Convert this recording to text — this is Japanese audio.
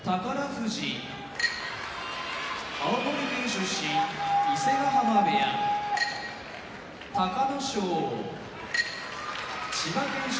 富士青森県出身伊勢ヶ濱部屋隆の勝千葉県出身